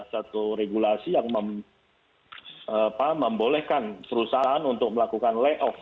satu regulasi yang membolehkan perusahaan untuk melakukan lay off